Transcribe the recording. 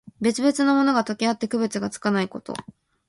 別々のものが、とけあって区別がつかないこと。